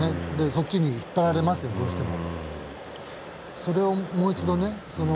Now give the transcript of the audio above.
そっちに引っ張られますよねどうしても。